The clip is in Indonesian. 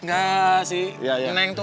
enggak si neng itu